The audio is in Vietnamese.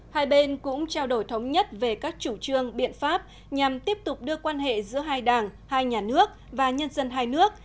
hai bên cũng trao đổi thống nhất về các chủ trương biện pháp nhằm tiếp tục đưa quan hệ giữa hai đảng hai nhà nước và nhân dân hai nước